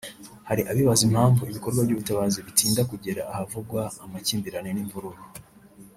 Hari abibaza impamvu ibikorwa by’ubutabazi bitinda kugera ahavugwa amakimbirane n’imvururu